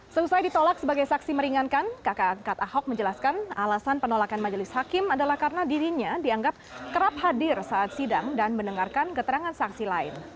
selesai ditolak sebagai saksi meringankan kakak angkat ahok menjelaskan alasan penolakan majelis hakim adalah karena dirinya dianggap kerap hadir saat sidang dan mendengarkan keterangan saksi lain